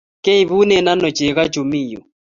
Keibune ano cheko chu mi yu?